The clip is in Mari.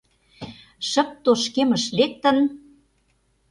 Шып тошкемыш лектын